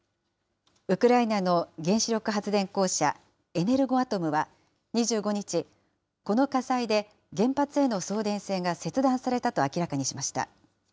ウクライナの原子力発電公社エネルゴアトムは２５日、この火災で原発への送電線が切断されたと明らかにしました。